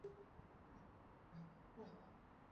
Simulizi Wazazi Wanaolea Watoto wa Rangi Tofauti